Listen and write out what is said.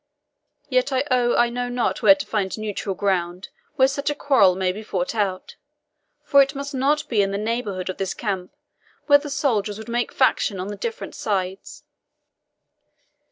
Yet I own I know not where to find neutral ground where such a quarrel may be fought out; for it must not be in the neighbourhood of this camp, where the soldiers would make faction on the different sides."